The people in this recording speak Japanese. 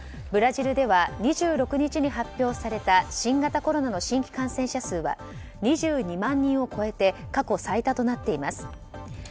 ブラジルでは２６日に発表された新型コロナの新規感染者数は２２万人を超えて過去最多となっています。